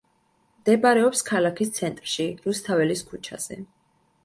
მდებარეობს ქალაქის ცენტრში, რუსთაველის ქუჩაზე.